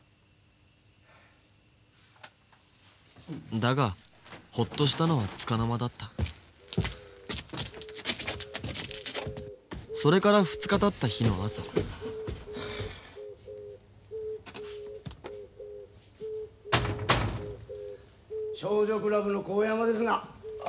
だがホッとしたのはつかの間だったそれから２日たった日の朝・「少女クラブ」の神山ですが。